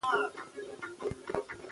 ټولنیز عدالت د خلکو باور زیاتوي.